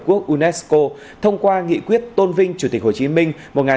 tổ chức giáo dục quốc unesco thông qua nghị quyết tôn vinh chủ tịch hồ chí minh